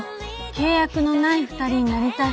契約のない二人になりたい。